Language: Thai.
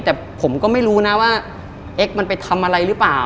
แต่ผมก็ไม่รู้นะว่าเอ็กซมันไปทำอะไรหรือเปล่า